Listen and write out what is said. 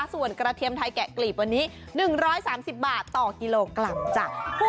ส่วนกระเทียมไทยแกะกลีบวันนี้๑๓๐บาทต่อกิโลกรัมจ้ะ